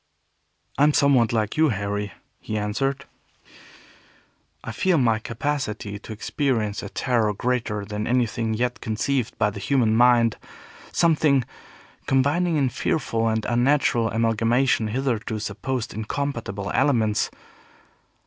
"I am somewhat like you, Harry," he answered. "I feel my capacity to experience a terror greater than anything yet conceived by the human mind; something combining in fearful and unnatural amalgamation hitherto supposed incompatible elements.